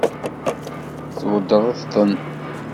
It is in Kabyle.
Tweddṛeḍ-ten?